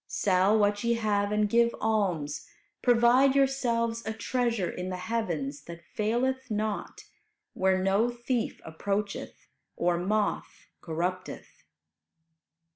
Sell what ye have and give alms; provide yourselves a treasure in the heavens that faileth not, where no thief approacheth, or moth corrupteth."